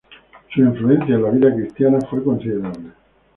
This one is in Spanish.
Su influencia en la vida cristiana fue considerable.